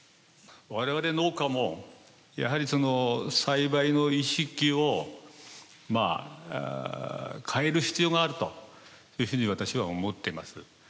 我々農家もやはり栽培の意識を変える必要があるというふうに私は思っています。